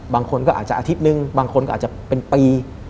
บางคนก็อาจจะอาทิตย์นึงบางคนก็อาจจะเป็นปี